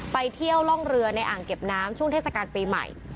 ไปเที่ยวร่องเรือในอ่างเก็บน้ำช่วงเทศกาลปีใหม่